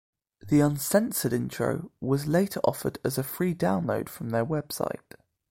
The uncensored intro was later offered as a free download from their website.